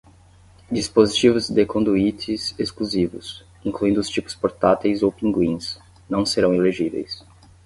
Dispositivos de conduítes exclusivos, incluindo os tipos portáteis ou pinguins, não serão elegíveis.